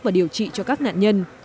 và điều trị cho các nạn nhân